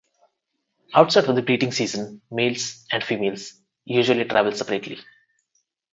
Outside of the breeding season, males and females usually travel separately.